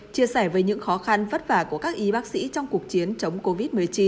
chia sẻ với những khó khăn vất vả của các y bác sĩ trong cuộc chiến chống covid một mươi chín